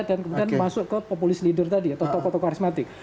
dan kemudian masuk ke populis leader tadi atau tokoh tokoh karismatik